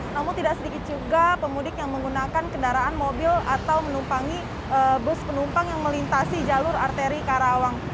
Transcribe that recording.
namun tidak sedikit juga pemudik yang menggunakan kendaraan mobil atau menumpangi bus penumpang yang melintasi jalur arteri karawang